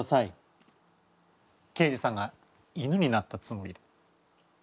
刑事さんが犬になったつもりで。